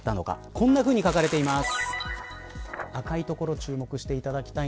こんなふうに書かれています。